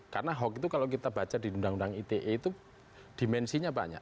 karena hoax itu kalau kita baca di undang undang ite itu dimensinya banyak